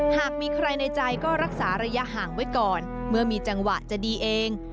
หากมีใครในใจก็รักษาระยะห่างไว้ก่อนเมื่อมีจังหวะจะดีเอง